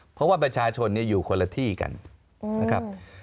เพราะว่าประชาชนอยู่คนละที่กันนะครับ